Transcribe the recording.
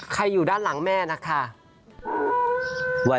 อยู่ด้านหลังแม่นะคะ